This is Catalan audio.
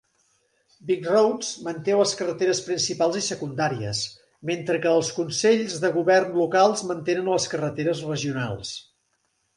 Vicroads manté les carreteres principals i secundàries, mentre que els consells de govern locals mantenen les carreteres regionals.